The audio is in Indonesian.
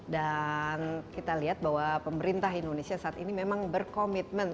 dan kita lihat bahwa pemerintah indonesia saat ini memang berkomitmen